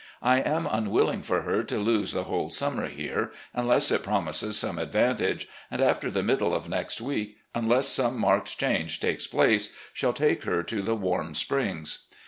I am unwilling for her to lose the whole summer here unless it promises some advantage, and, after the middle of next week, unless some marked change takes place, shall take her to the Warm Springs.